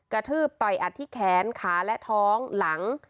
ทืบต่อยอัดที่แขนขาและท้องหลัง